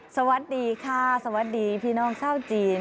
สวัสดีค่ะสวัสดีพี่น้องชาวจีน